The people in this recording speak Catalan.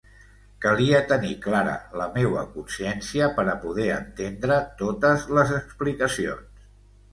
Calia tenir clara la meua consciència per a poder entendre totes les explicacions.